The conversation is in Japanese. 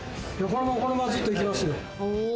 このままずっと行きますよ。